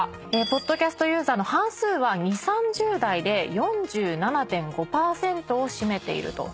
ポッドキャストユーザーの半数は２０３０代で４７．５％を占めていると。